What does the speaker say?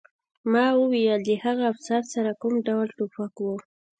ما وویل د هغه افسر سره کوم ډول ټوپک و